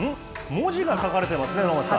文字が書かれてますね。